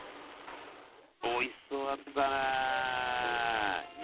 おいしそうだったね。